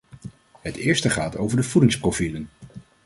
Het eerste gaat over de voedingsprofielen.